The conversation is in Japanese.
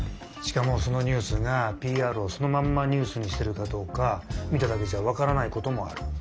しかもそのニュースがＰＲをそのまんまニュースにしてるかどうか見ただけじゃわからないこともある。